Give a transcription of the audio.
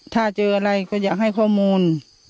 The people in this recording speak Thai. ถ้าเจออะไรก็อยากให้ข้อมูล